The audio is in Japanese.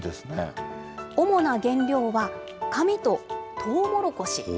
主な原料は、紙とトウモロコシ。